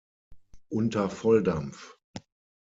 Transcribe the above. Unter Volldampf!